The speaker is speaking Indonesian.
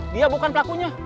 dia bukan pelakunya